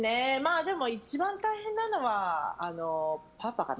でも一番大変なのはパパかな。